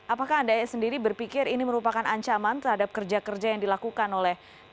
apakah anda sendiri berpikir ini merupakan ancaman terhadap kerja kerja yang berlaku di rumah sakit